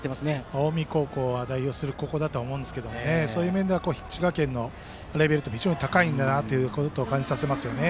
近江高校が、ここを代表する高校だと思うんですけど滋賀県のレベルって非常に高いんだなということを感じさせますよね。